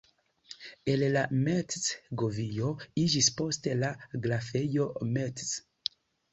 El la Metz-govio iĝis poste la grafejo Metz.